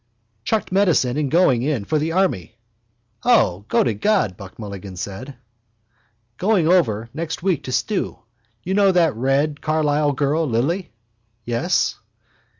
Chucked medicine and going in for the army. —Ah, go to God! Buck Mulligan said. —Going over next week to stew. You know that red Carlisle girl, Lily? —Yes.